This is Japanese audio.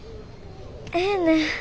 ええねん。